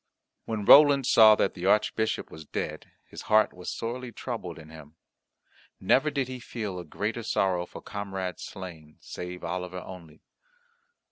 When Roland saw that the Archbishop was dead, his heart was sorely troubled in him. Never did he feel a greater sorrow for comrade slain, save Oliver only.